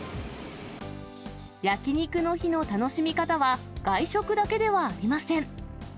焼き肉の日の楽しみ方は、外食だけではありません。